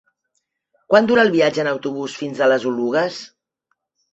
Quant dura el viatge en autobús fins a les Oluges?